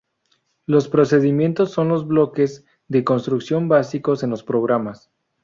Los procedimientos son los bloques de construcción básicos en los programas.